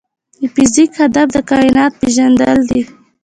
د فزیک هدف د کائنات پېژندل دي.